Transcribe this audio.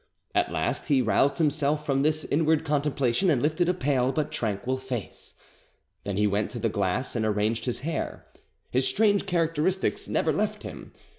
At last he roused himself from this inward contemplation, and lifted a pale but tranquil face. Then he went to the glass and arranged his hair. His strange characteristics never left him.